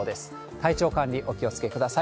体調管理、お気をつけください。